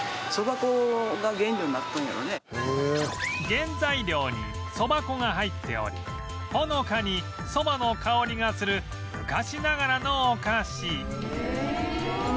原材料にそば粉が入っておりほのかにそばの香りがする昔ながらのお菓子